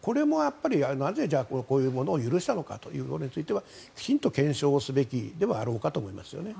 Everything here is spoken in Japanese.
なぜ、こういうものを許したのかということについてはきちんと検証すべきであろうかと思います。